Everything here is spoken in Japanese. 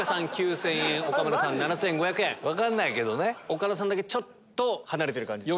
⁉岡田さんだけちょっと離れてる。